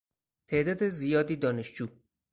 تعداد زیادی دانشجو